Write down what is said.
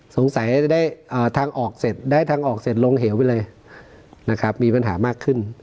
จะได้ทางออกเสร็จได้ทางออกเสร็จลงเหวไปเลยนะครับมีปัญหามากขึ้น